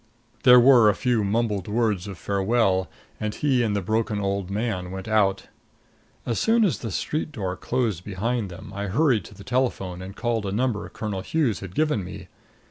There were a few mumbled words of farewell and he and the broken old man went out. As soon as the street door closed behind them I hurried to the telephone and called a number Colonel Hughes had given me.